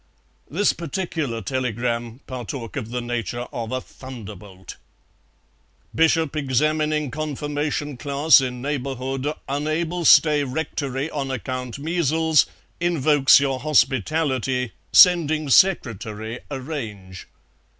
This particular telegram partook of the nature of a thunderbolt. "Bishop examining confirmation class in neighbourhood unable stay rectory on account measles invokes your hospitality sending secretary arrange."